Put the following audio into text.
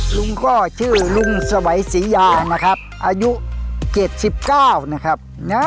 ลุงก็ชื่อลุงสวัยศรียานะครับอายุ๗๙นะครับ